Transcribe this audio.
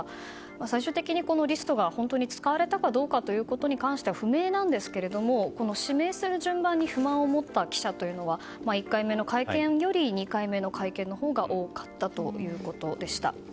最終的にこのリストが使われたかどうかは不明なんですけども指名する順番に不満を持った記者は１回目の会見より２回目の会見のほうが多かったということでした。